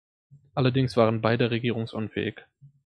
Allerdings waren beide regierungsunfähig.